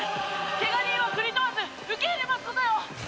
怪我人は国問わず受け入れますことよ！